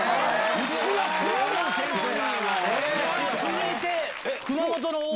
続いて。